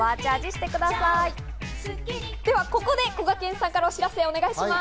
ではここで、こがけんさんからお知らせをお願いします。